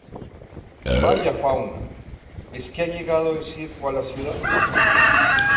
¡Vaya fauna! ¿Es qué ha llegado el circo a la ciudad?